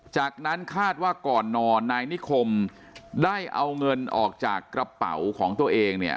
จากนั้นคาดว่าก่อนนอนนายนิคมได้เอาเงินออกจากกระเป๋าของตัวเองเนี่ย